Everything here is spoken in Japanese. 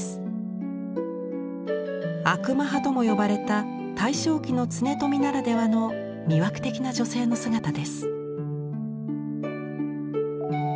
「悪魔派」とも呼ばれた大正期の恒富ならではの魅惑的な女性の姿です。